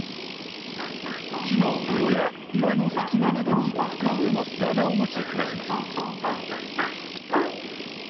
木のうろや岩の隙間などに複数の巣穴を持ち暮らします。